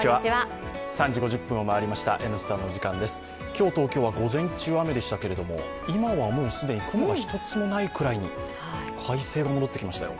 今日、東京は午前中雨でしたけど今はもう既に雲一つもないくらいに快晴が戻ってきましたよ。